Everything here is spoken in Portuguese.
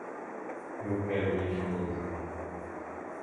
Eu quero minha esposa.